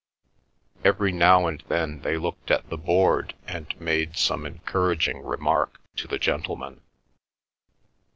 Every now and then they looked at the board and made some encouraging remark to the gentlemen.